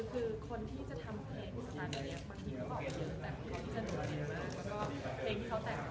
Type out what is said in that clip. เพราะว่ามันเจ๋งมากนะ